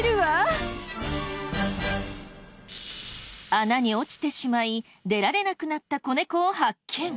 穴に落ちてしまい出られなくなった子猫を発見。